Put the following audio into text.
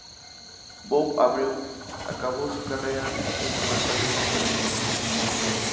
Bob Abreu acabó su carrera en su natal Venezuela.